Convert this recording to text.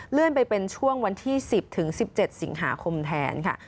เลื่อนไปเป็นช่วงวันที่๑๐๑๗สิงหาคมแทนค่ะ